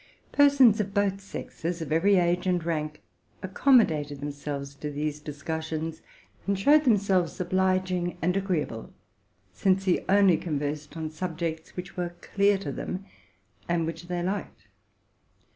Persons of both sexes, of every age and rank, accommodated themselves to these discussions, and showed themselves obliging and agreeable ; since he only conversed on subjects which were clear to them, and which they liked.